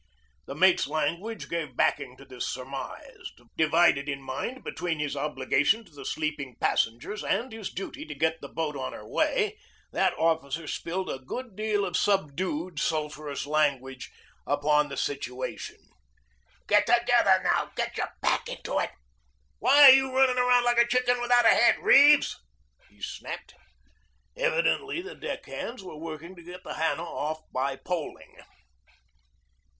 The mate's language gave backing to this surmise. Divided in mind between his obligation to the sleeping passengers and his duty to get the boat on her way, that officer spilled a good deal of subdued sulphurous language upon the situation. "All together now. Get your back into it. Why are you running around like a chicken without a head, Reeves?" he snapped. Evidently the deck hands were working to get the Hannah off by poling.